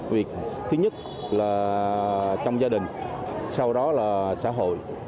việc thứ nhất là trong gia đình sau đó là xã hội